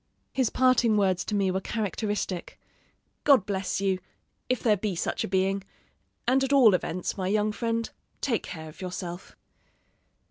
"His parting words to me were characteristic: 'God bless you, if there be such a being; and at all events, my young friend, take care of yourself.'"